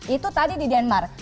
itu tadi di denmark